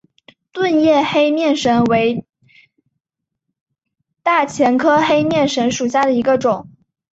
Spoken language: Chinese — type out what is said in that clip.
钝叶黑面神为大戟科黑面神属下的一个种。